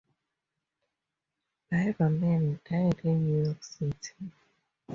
Biberman died in New York City.